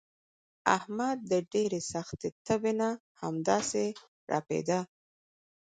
احمد د ډېرې سختې تبې نه همداسې ړپېدا.